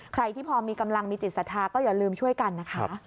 ใครที่พอมีกำลังมีจิตศรัทธาก็อย่าลืมช่วยกันนะคะ